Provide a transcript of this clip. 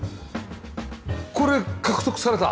これ獲得された？